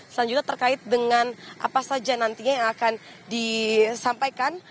selanjutnya terkait dengan apa saja nantinya yang akan disampaikan